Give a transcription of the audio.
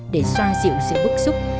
để xoa dịu sự bức xúc